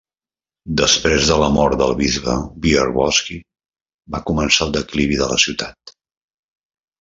Després de la mort del bisbe Wierzbowski va començar el declivi de la ciutat.